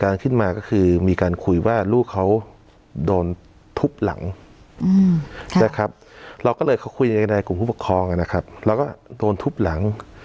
เราก็เลยเขาคุยในใจกลุ่มผู้ปกครองนะครับแล้วก็โดนทุบหลัง